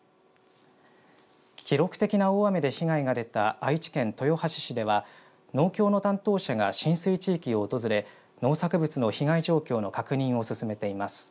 記録的な大雨で被害が出た愛知県豊橋市では農協の担当者が浸水地域を訪れ農作物の被害状況の確認を進めています。